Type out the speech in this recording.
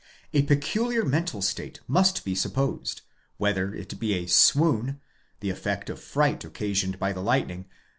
A peculiar mental state must be supposed ; whether it be a swoon, the effect of fright occasioned by the lightning,®?